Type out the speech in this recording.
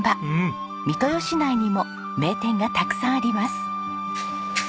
三豊市内にも名店がたくさんあります。